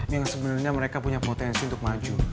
ini yang sebenarnya mereka punya potensi untuk maju